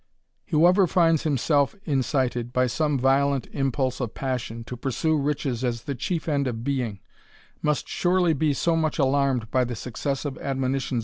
Whoever finds himself incited, by some violent impulse of passion, to pursue riches as the chief end of being, must BUfcir be so much alarmed by the successive admonitions 78 THE RAMBLER.